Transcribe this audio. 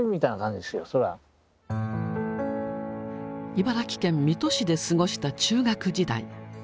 茨城県水戸市で過ごした中学時代。